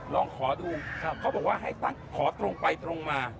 ลองขอดูเขาบอกว่าให้ตั้งขอตรงไปตรงมา